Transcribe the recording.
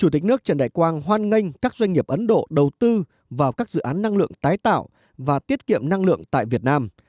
trần đại quang hoan nghênh các doanh nghiệp ấn độ đầu tư vào các dự án năng lượng tái tạo và tiết kiệm năng lượng tại việt nam